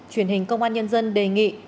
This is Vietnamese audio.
truyền hình công an nhân dân đề nghị